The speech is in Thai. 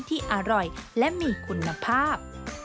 ที่อร่อยและมีคุณภาพ